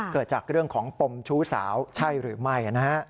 เกิดจากเรื่องของปมชู้สาวใช่หรือไม่